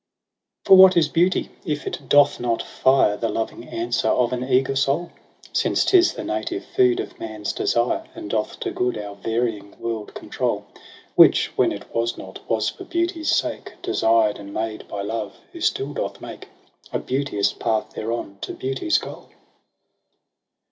4 For what is Beauty, if it doth not fire The loving answer of an eager soul ? Since 'tis the native food of man's desire, And doth to good our varying world control ; Which, when it was not, was for Beauty's sake Desired and made by Love, who still doth make A beauteous path thereon to Beauty's goal.